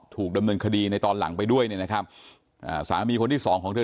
ถูกดำเนินคดีในตอนหลังไปด้วยเนี่ยนะครับอ่าสามีคนที่สองของเธอ